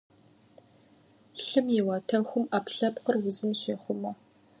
Лъым и уатэхум Ӏэпкълъэпкъыр узым щехъумэ.